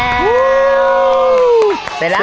เจ้าคุณสุดสบายช่วยอะไร